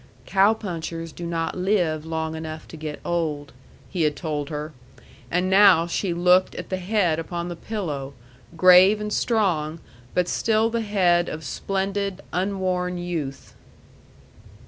"Cow punchers do not live long enough to get old," he had told her. And now she looked at the head upon the pillow, grave and strong, but still the head of splendid, unworn youth.